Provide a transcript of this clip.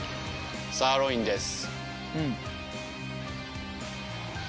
サーロインです。